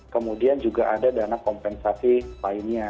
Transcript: kemudian juga ada dana kompensasi lainnya